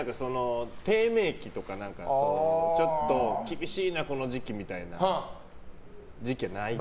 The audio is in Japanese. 低迷期とかちょっと厳しいなこの時期みたいな時期がないって。